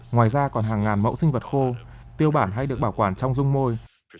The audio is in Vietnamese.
ngoài ra còn hàng ngàn mẫu sinh vật khô tiêu bản hay được bảo quản trong rung môi